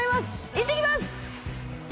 行ってきます！